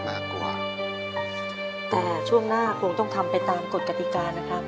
มากกว่าแต่ช่วงหน้าคงต้องทำไปตามกฎกติกานะครับ